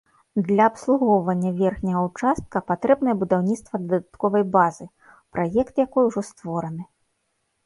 Для абслугоўвання верхняга ўчастка патрэбнае будаўніцтва дадатковай базы, праект якой ужо створаны.